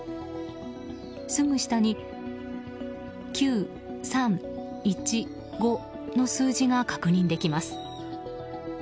すぐ下に「９３１５」の数字が確認できます。